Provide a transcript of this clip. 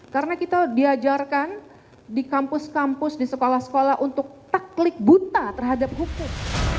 karena kita diajarkan di kampus kampus di sekolah sekolah untuk taklik buta terhadap hukum